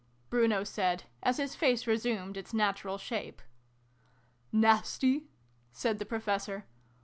Bruno said, as his face resumed its natural shape. "Nasty?" said the Professor.